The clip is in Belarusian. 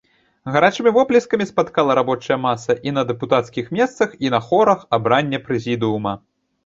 Гарачымі воплескамі спаткала рабочая маса, і на дэпутацкіх месцах і на хорах, абранне прэзідыума.